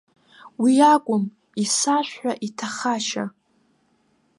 Уи акәым, исашәҳәа иҭахашьа.